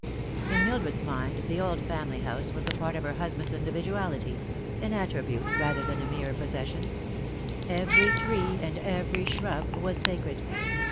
In Mildred's mind the old family housa Without the Wolf. 49 was a part of her husband's individuality, an attribute rather than a mere possession. Every tree and every shrub was sacred.